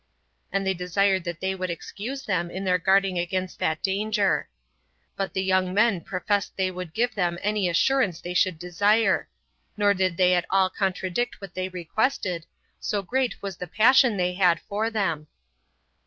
And they desired that they would excuse them in their guarding against that danger. But the young men professed they would give them any assurance they should desire; nor did they at all contradict what they requested, so great was the passion they had for them.